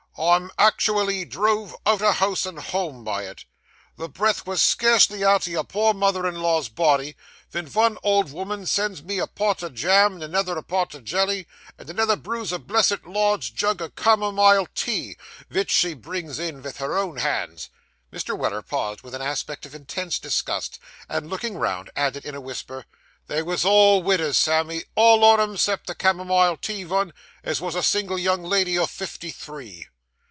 I'm actiwally drove out o' house and home by it. The breath was scarcely out o' your poor mother in law's body, ven vun old 'ooman sends me a pot o' jam, and another a pot o' jelly, and another brews a blessed large jug o' camomile tea, vich she brings in vith her own hands.' Mr. Weller paused with an aspect of intense disgust, and looking round, added in a whisper, 'They wos all widders, Sammy, all on 'em, 'cept the camomile tea vun, as wos a single young lady o' fifty three.